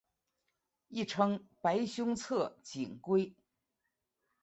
亦称白胸侧颈龟。